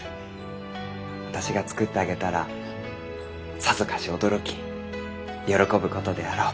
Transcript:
私が作ってあげたらさぞかし驚き喜ぶことであろう。